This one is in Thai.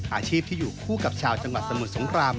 อาชีพที่อยู่คู่กับชาวจังหวัดสมุทรสงคราม